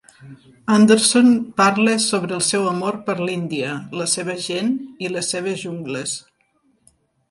Anderson parla sobre el seu amor per l'Índia, la seva gent i les seves jungles.